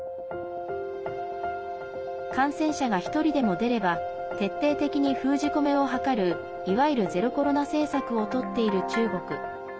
感染者が１人でも出れば徹底的に封じ込めを図るいわゆるゼロコロナ政策をとっている中国。